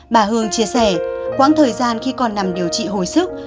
bà hương chia sẻ khoảng thời gian khi còn nằm điều trị hồi sức